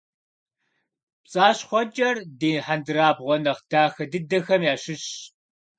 ПцӀащхъуэкӀэр ди хьэндырабгъуэ нэхъ дахэ дыдэхэм ящыщщ.